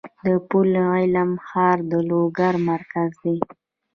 د پل علم ښار د لوګر مرکز دی